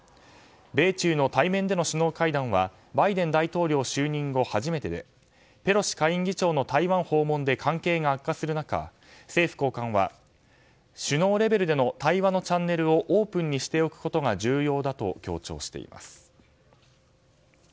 米中の対面での首脳会談はバイデン大統領就任後初めてでペロシ下院議長の台湾訪問で関係が悪化する中政府高官は、首脳レベルでの対話のチャンネルをオープンにしておくことが重要だと強調しています。